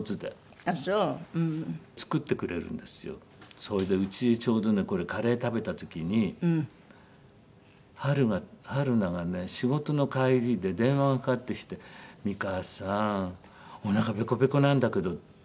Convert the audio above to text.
それでうちでちょうどねこれカレー食べた時にはるなはるながね仕事の帰りで電話がかかってきて「美川さんおなかペコペコなんだけど」って。